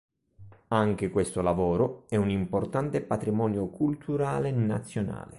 Anche questo lavoro è un importante patrimonio culturale nazionale.